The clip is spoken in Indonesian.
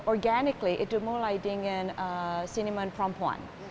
organiknya itu mulai dengan siniman perempuan